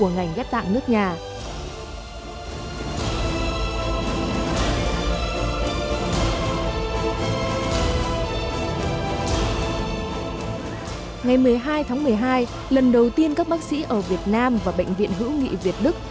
ngày một mươi hai tháng một mươi hai lần đầu tiên các bác sĩ ở việt nam và bệnh viện hữu nghị việt đức